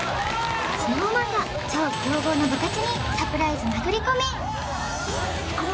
ＳｎｏｗＭａｎが超強豪な部活にサプライズ殴り込み